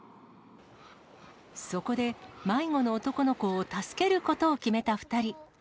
そこで、迷子の男の子を助けることを決めた２人。